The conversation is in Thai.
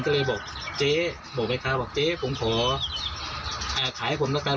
ก็เลยบอกเจ๊บอกแม่ค้าบอกเจ๊ผมขอขายให้ผมแล้วกัน